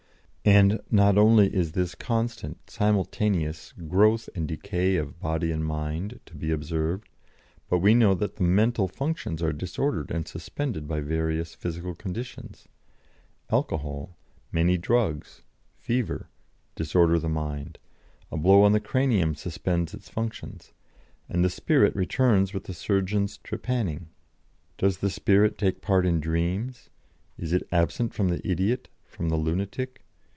And not only is this constant, simultaneous growth and decay of body and mind to be observed, but we know that mental functions are disordered and suspended by various physical conditions. Alcohol, many drugs, fever, disorder the mind; a blow on the cranium suspends its functions, and the 'spirit' returns with the surgeon's trepanning. Does the 'spirit' take part in dreams? Is it absent from the idiot, from the lunatic?